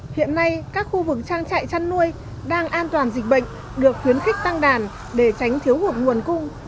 hiện nay các khu vực trang trại chăn nuôi đang an toàn dịch bệnh được khuyến khích tăng đàn để tránh thiếu hụt nguồn cung